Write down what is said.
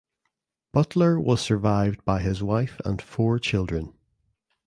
Butler was survived by his wife and four children.